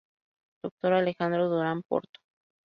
Dr. Alejandro Durán Porto.